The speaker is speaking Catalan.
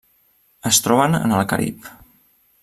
Es troben en el Carib.